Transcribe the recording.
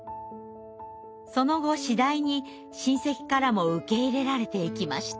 その後次第に親戚からも受け入れられていきました。